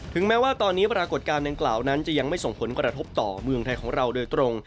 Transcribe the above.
แม้ว่าตอนนี้ปรากฏการณ์ดังกล่าวนั้นจะยังไม่ส่งผลกระทบต่อเมืองไทยของเราโดยตรง